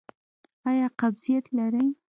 ایا قبضیت لرئ؟